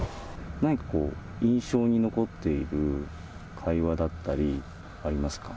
何かこう、印象に残っている会話だったりありますか？